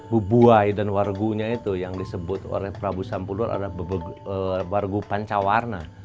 bu buai dan warigunya itu yang disebut oleh prabu sampulur ada warigu panca warna